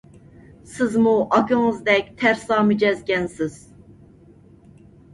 سىزمۇ ئاكىڭىزدەك تەرسا مىجەزكەنسىز!